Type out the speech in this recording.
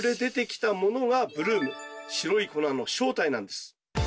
白い粉の正体なんです。